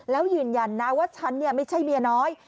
แล้วยืนยันนะว่าฉันไม่ใช่เมียน้อย